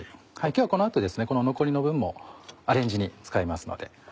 今日はこの後この残りの分もアレンジに使いますので。